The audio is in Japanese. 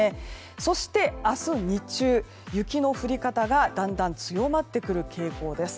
そして明日日中、雪の降り方がだんだん強まってくる傾向です。